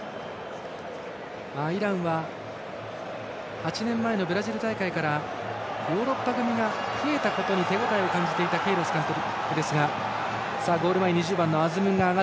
イランは８年前のブラジル大会からヨーロッパ組が増えたことに手応えを感じていたケイロス監督ですが。